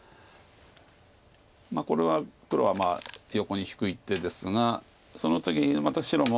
これは黒は横に引く一手ですがその時にまた白も。